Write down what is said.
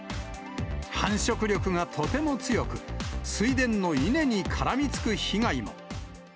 繁殖力がとても強く、水田の稲に絡みつく被害も。